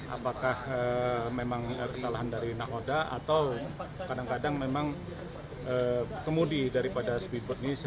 apakah memang kesalahan dari nahoda atau kadang kadang memang kemudi daripada speedboard ini